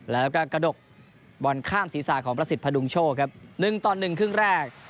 แล้วก็กระดกบอลข้ามศีรษะของประสิทธิพดุงโชคครับ๑ต่อ๑ครึ่งแรก